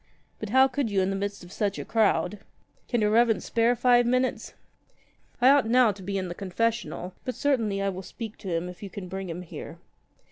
But how could 40 you in the midst of such a crowd ! Can your Reverence spare five minutes?'' "I ought now to be in the confessional; but certainly I will speak to him if you can bring him here."